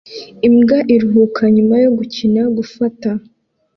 Imbwa iruhuka nyuma yo gukina gufata